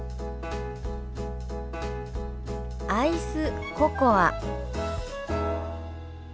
「アイスココア」。